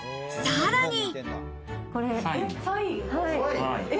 さらに。